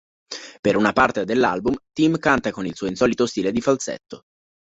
Per una parte dell'album, Tim canta con il suo insolito stile di falsetto.